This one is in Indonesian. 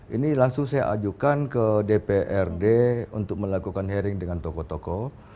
ini langsung saya ajukan ke dprd untuk melakukan hearing dengan tokoh tokoh